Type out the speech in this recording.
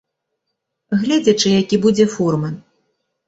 Гледзячы які будзе фурман.